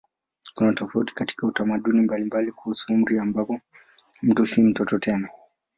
Kuna tofauti katika tamaduni mbalimbali kuhusu umri ambapo mtu si mtoto tena.